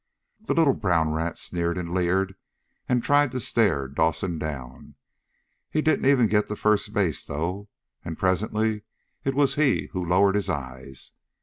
The little brown rat sneered and leered, and tried to stare Dawson down. He didn't even get to first base, though. And presently it was he who lowered his eyes.